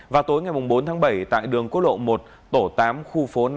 vào tối ngày bốn tháng bảy tại đường quốc lộ một tổ tám khu phố năm